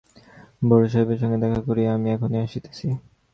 বড়োসাহেবের সঙ্গে দেখা করিয়া আমি এখনই আসিতেছি।